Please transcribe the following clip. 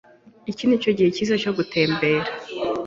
Iki nicyo gihe cyiza cyo gutembera.